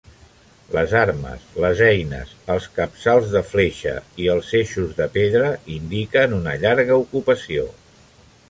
Les armes, les eines, els capçals de fletxa i els eixos de pedra indiquen una llarga ocupació.